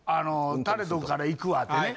「タレとこから行くわ」ってね。